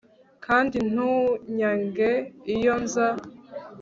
Kandi ntunyange iyo nza